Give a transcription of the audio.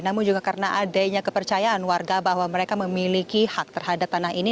namun juga karena adanya kepercayaan warga bahwa mereka memiliki hak terhadap tanah ini